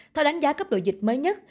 theo đánh giá cấp độ dịch mới nhất